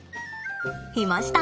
いました。